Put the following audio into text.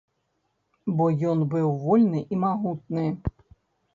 Бо ён быў вольны і магутны.